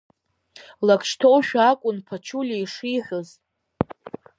Лак шьҭоушәа акәын Ԥачулиа ишиҳәоз.